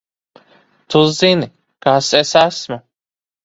Tu zini, kas es esmu?